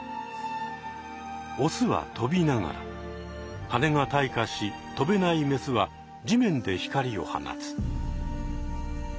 オスは飛びながらはねが退化し飛べないメスは地面で光を放つ。